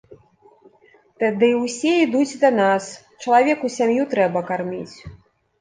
Тады ўсе ідуць да нас, чалавеку сям'ю трэба карміць.